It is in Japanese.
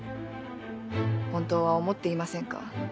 本当は思っていませんか？